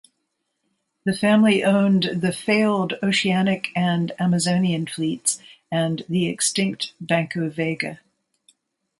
The family owned the failed Oceanic and Amazonian fleets and the extinct Banco Vega.